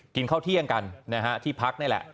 กินเข้าเที่ยงกันที่พักนี่แหละ